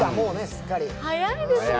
早いですね。